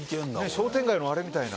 商店街のあれみたいな。